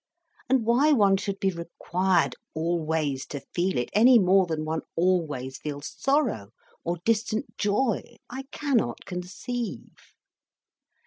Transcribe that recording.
And why one should be required always to feel it, any more than one always feels sorrow or distant joy, I cannot conceive.